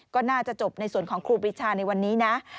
ก็น่าจะจบในส่วนของครูปีชาในวันนี้นะ